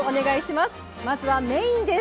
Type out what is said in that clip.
まずはメインです。